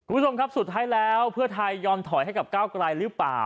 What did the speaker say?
คุณผู้ชมครับสุดท้ายแล้วเพื่อไทยยอมถอยให้กับก้าวกลายหรือเปล่า